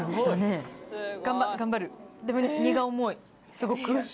すごく。